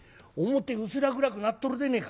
表薄ら暗くなっとるでねえか。